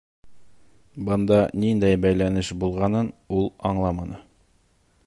Бында ниндәй бәйләнеш булғанын ул аңламаны.